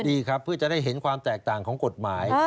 ดีครับเพื่อจะได้เห็นความแตกต่างของกฎหมาย